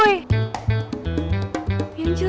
hai aduh aduh